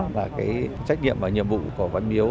và trách nhiệm và nhiệm vụ của văn miếu